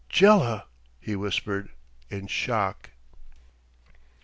"Jela," he whispered, in shock.